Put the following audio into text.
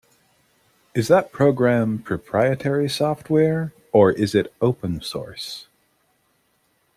Is that program proprietary software, or is it open source?